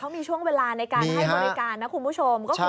มีช่วงเวลาในการให้บริการนะคุณผู้ชม